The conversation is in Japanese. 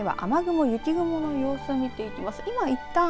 では、雨雲雪雲の様子を見ていきます。